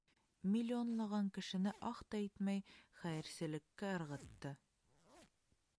Миллионлаған кешене «аһ» та итмәй хәйерселеккә ырғытты!